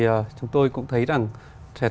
sẽ tập trung vào những nguồn nhân lực